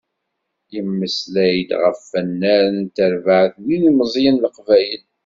Yemmeslay-d ɣef wannar n terbeɛt n yilmeẓyen n Leqbayel.